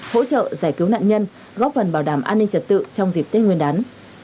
hỗ trợ giải cứu nạn nhân góp phần bảo đảm an ninh trật tự trong dịp tết nguyên đán